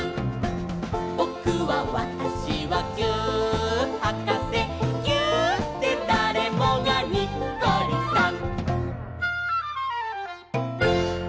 「ぼくはわたしはぎゅーっはかせ」「ぎゅーっでだれもがにっこりさん！」